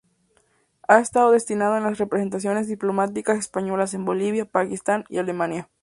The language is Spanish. Ha estado destinado en las representaciones diplomáticas españolas en Bolivia, Pakistán y Alemania.